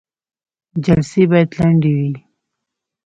جلسې باید لنډې وي